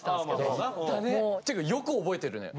ってかよく覚えてるね。